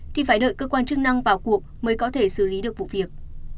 thì phải đợi cơ quan chức năng vào cuộc mới có thể xử lý được vụ việc